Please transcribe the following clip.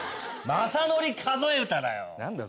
雅紀数え歌だよ。